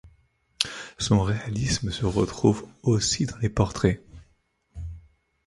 Son réalisme se retrouve aussi dans les portraits.